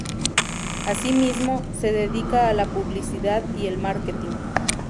Asimismo, se dedica a la publicidad y el marketing.